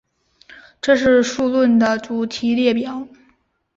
这是数论的主题列表。